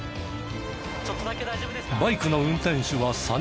バイクの運転手は３０代。